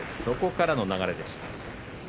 そこからの流れでした。